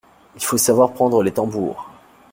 Il faut savoir prendre les tambours !…